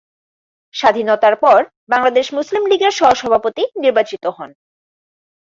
স্বাধীনতার পর বাংলাদেশ মুসলিম লীগের সহ-সভাপতি নির্বাচিত হন।